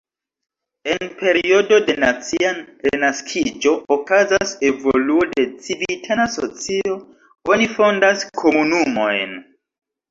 En periodo de nacia renaskiĝo okazas evoluo de civitana socio, oni fondas komunumojn.